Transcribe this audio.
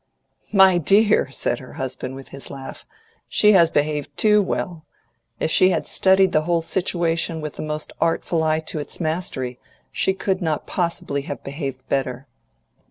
"My dear," said her husband, with his laugh, "she has behaved TOO well. If she had studied the whole situation with the most artful eye to its mastery, she could not possibly have behaved better."